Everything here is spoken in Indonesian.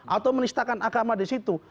atau menistakan agama di situ